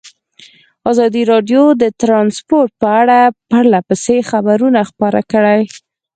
ازادي راډیو د ترانسپورټ په اړه پرله پسې خبرونه خپاره کړي.